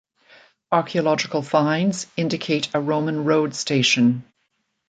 Archaeological finds indicate a Roman road station.